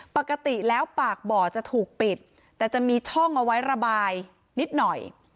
ปกติแล้วปากบ่อจะถูกปิดแต่จะมีช่องเอาไว้ระบายนิดหน่อย